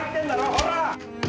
ほら！